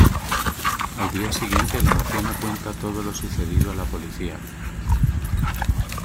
Al día siguiente la anciana cuenta todo lo sucedido a la policía.